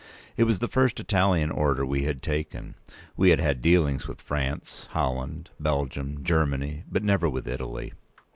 It was the first Italian order we had taken. We had had dealings with France, Holland, Belgium, Germany; but never with Italy.